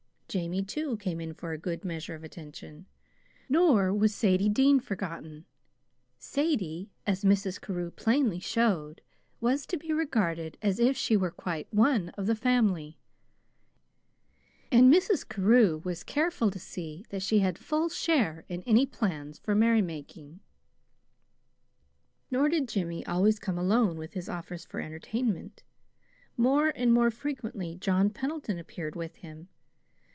Jamie, too, came in for a good measure of attention, nor was Sadie Dean forgotten. Sadie, as Mrs. Carew plainly showed, was to be regarded as if she were quite one of the family; and Mrs. Carew was careful to see that she had full share in any plans for merrymaking. Nor did Jimmy always come alone with his offers for entertainment. More and more frequently John Pendleton appeared with him.